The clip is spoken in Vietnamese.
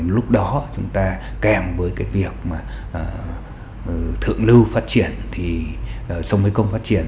lúc đó chúng ta kèm với việc thượng lưu phát triển sông mây công phát triển